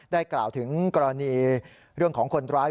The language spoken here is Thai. กล่าวถึงกรณีเรื่องของคนร้าย